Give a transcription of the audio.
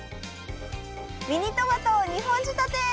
ミニトマト２本仕立て。